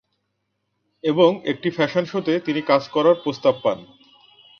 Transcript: এবং একটি ফ্যাশন শোতে তিনি কাজ করার প্রস্তাব পান।